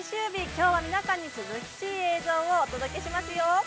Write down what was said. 今日は皆さんに涼しい映像をお届けしますよ。